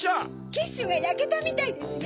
キッシュがやけたみたいですよ。